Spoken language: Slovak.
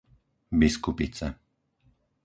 Biskupice